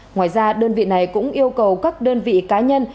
ngoài ra đơn vị này cũng yêu cầu các đơn vị cá nhân